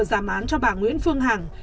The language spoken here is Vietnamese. giảm án cho bà nguyễn phương hằng